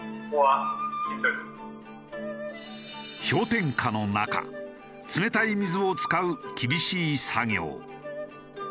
氷点下の中冷たい水を使う厳しい作業。